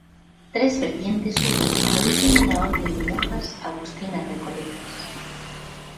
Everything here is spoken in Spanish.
Tres vertientes hubo al origen de la Orden de Monjas Agustinas Recoletas.